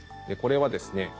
これはですね